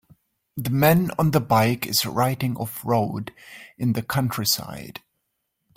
The man on the bike is writing off road in the countryside.